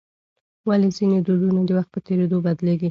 ولې ځینې دودونه د وخت په تېرېدو بدلیږي؟